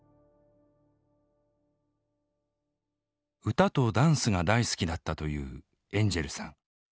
歌とダンスが大好きだったというエンジェルさん。